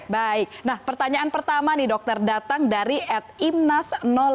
baik nah pertanyaan pertama nih dokter datang dari atimnas lima ratus sebelas